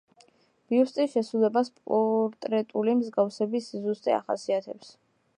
ბიუსტის შესრულებას პორტრეტული მსგავსების სიზუსტე ახასიათებს.